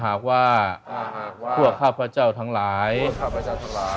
หากว่าพวกข้าพเจ้าทั้งหลายข้าพเจ้าทั้งหลาย